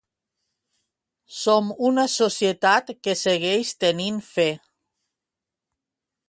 Som una societat que segueix tenint fe.